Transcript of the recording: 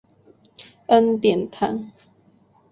恩典堂。